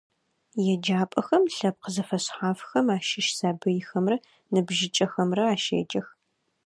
Еджапӏэхэм лъэпкъ зэфэшъхьафхэм ащыщ сабыйхэмрэ ныбжьыкӏэхэмрэ ащеджэх.